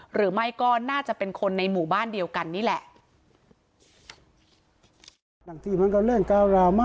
หรือไม่ก็น่าจะเป็นคนในหมู่บ้านเดียวกันนี่แหละ